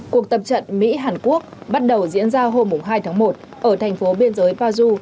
cuộc tập trận mỹ hàn quốc bắt đầu diễn ra hôm hai tháng một ở thành phố biên giới pazu